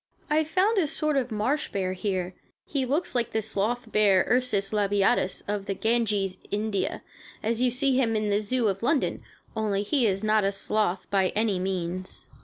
I found a sort of marsh bear here. He looks like the sloth bear (Ursus Labiatus) of the Ganges, India, as you see him in the Zoo of London, only he is not a sloth, by any means.